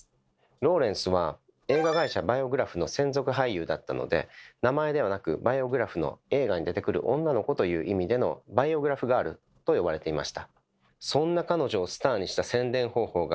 ローレンスは映画会社バイオグラフの専属俳優だったので名前ではなく「バイオグラフの映画に出てくる女の子」という意味での「バイオグラフ・ガール」と呼ばれていました。